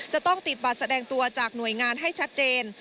จะต้องติดบัตรแสดงตัวจากหน่วยงานให้ชัดเจน